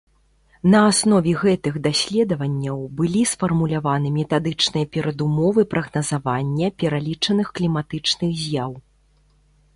На аснове гэтых даследаванняў былі сфармуляваны метадычныя перадумовы прагназавання пералічаных кліматычных з'яў.